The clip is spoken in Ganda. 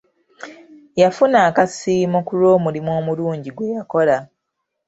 Yafuna akasiimo ku lw'omulimu omulungi gwe yakola.